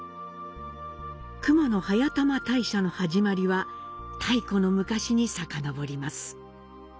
熊野速玉大社の始まりは、太古の昔にさかのぼります。